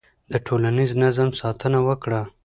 د ټولنیز نظم ساتنه وکړه.